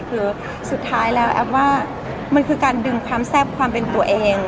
คือสุดท้ายแล้วแอฟว่ามันคือการดึงความแซ่บความเป็นตัวเอง